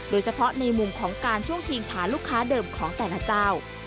โดยเฉพาะในมุมของการช่วงชิงผ่านลูกค้าเดิมของแต่ละเจ้า